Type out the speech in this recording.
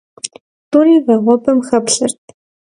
Тӏури вагъуэбэм хэплъэрт.